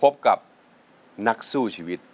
ลูกทุ่งสู้ชีวิต